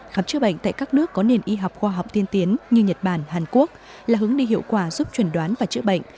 khám chữa bệnh tại các nước có nền y học khoa học tiên tiến như nhật bản hàn quốc là hướng đi hiệu quả giúp chuẩn đoán và chữa bệnh